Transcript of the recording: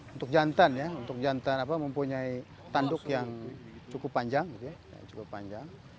untuk jantan ya mempunyai tanduk yang cukup panjang